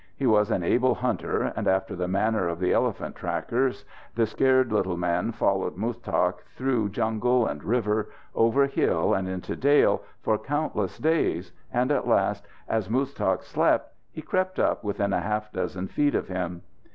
He was an able hunter and, after the manner of the elephant trackers, the scared little man followed Muztagh through jungle and river, over hill and into dale, for countless days, and at last, as Muztagh slept, he crept up within a half dozen feet of him.